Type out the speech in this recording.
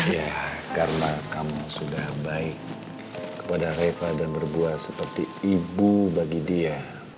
ya karena kamu sudah baik kepada reva dan berbuah seperti ibu bagi dia